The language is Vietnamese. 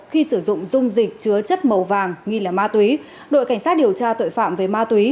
khi sử dụng dung dịch chứa chất màu vàng nghi là ma túy đội cảnh sát điều tra tội phạm về ma túy